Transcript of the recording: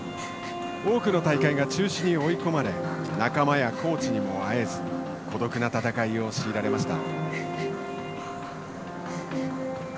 多くの大会が中止に追い込まれ仲間やコーチにも会えず孤独な戦いを強いられました。